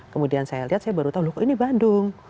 kemudian saya lihat saya baru tahu loh kok ini bandung